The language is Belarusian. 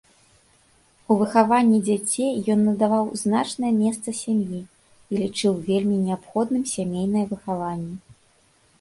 У выхаванні дзяцей ён надаваў значнае месца сям'і і лічыў вельмі неабходным сямейнае выхаванне.